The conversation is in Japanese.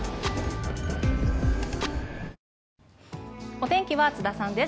お天気は津田さんです。